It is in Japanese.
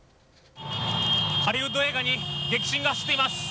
ハリウッド映画に激震が走っています。